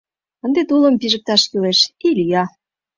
Ынде тулым пижыкташ кӱлеш — и лӱя!